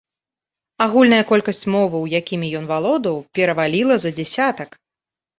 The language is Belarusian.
Агульная колькасць моваў, якімі ён валодаў, пераваліла за дзясятак.